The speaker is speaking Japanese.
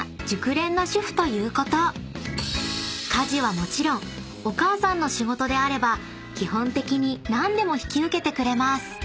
［家事はもちろんお母さんの仕事であれば基本的に何でも引き受けてくれます］